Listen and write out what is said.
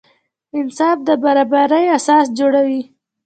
انصاف د برابري اساس جوړوي.